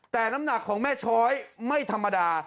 แต่น้ำหนักของแม่ช้อยไม่ธรรมดา